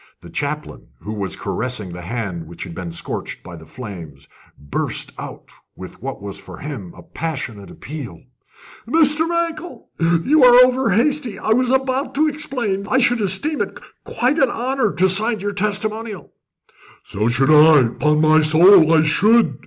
The chaplain, who was caressing the hand which had been scorched by the flames, burst out with what was for him a passionate appeal: "Mr. Mankell, you are over hasty. I was about to explain that I should esteem it quite an honour to sign your testimonial." "So should I upon my soul, I should!"